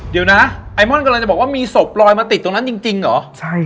เดี๋ยวนะไอม่อนกำลังจะบอกว่ามีศพลอยมาติดตรงนั้นจริงเหรอใช่